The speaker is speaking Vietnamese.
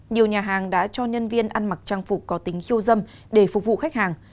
nhiều nhà hàng đã cho nhân viên ăn mặc trang phục có tính khiêu dâm để phục vụ khách hàng